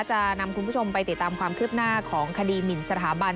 จะนำคุณผู้ชมไปติดตามความคืบหน้าของคดีหมินสถาบัน